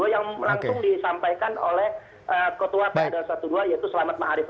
yang langsung disampaikan oleh ketua padr dua belas yaitu selamat mahadif